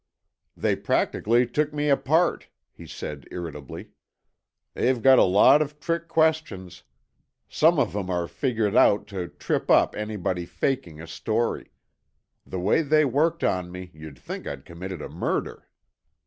"They practically took me apart," he said irritably. "They've got a lot of trick questions. Some of 'em are figured out to trip up anybody faking a story. The way they worked on me, you'd think I committed a murder.